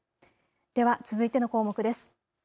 では続いての項目です。